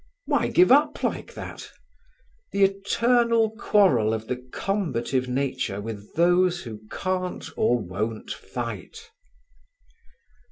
Why give up like that? The eternal quarrel of the combative nature with those who can't or won't fight.